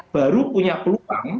baru punya peluang